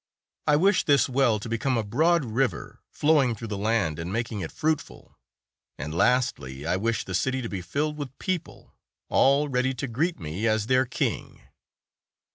I wish this well to become a broad river, flowing through the land and making it fruitful; and lastly, I wish the city to be filled with people, all ready to greet me as their king."